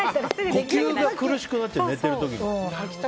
呼吸が苦しくなっちゃう寝てる時。